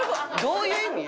どういう意味？